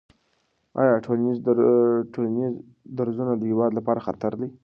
آیا ټولنیز درزونه د هېواد لپاره خطر لري؟